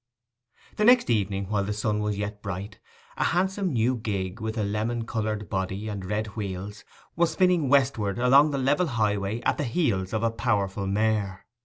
The next evening, while the sun was yet bright, a handsome new gig, with a lemon coloured body and red wheels, was spinning westward along the level highway at the heels of a powerful mare.